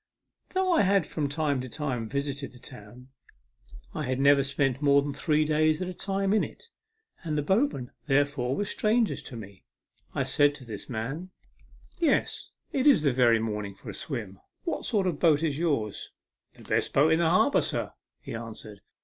Though I had from time to time visited the town, I had never spent more than three days at a time in it; and the boatmen, therefore, were strangers to rne. I said to this man : A MEMORABLE SWIM. 63 " Yes, it is the very morning for a swim. What sort of a boat is yours ?"" The best boat in the harbour, sir," he an swered.